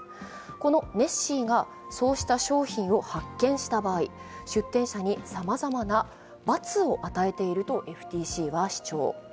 このネッシーがそうした商品を発見した場合、出店者に、さまざまな罰を与えているとＦＴＣが主張。